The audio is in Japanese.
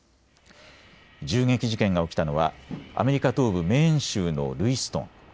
銃撃事件が起きたのはアメリカ東部メーン州のルイストン。